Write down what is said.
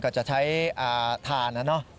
ก็จะใช้ทานอะนะ